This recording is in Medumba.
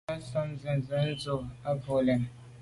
Shutnyàm tshob nzenze ndù à bwôg lem.